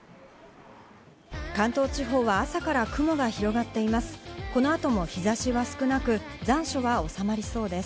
関東地方は朝から雲が広がっています。